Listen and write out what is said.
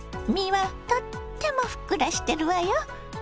身はとってもふっくらしてるわよ。